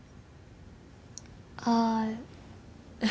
ああ。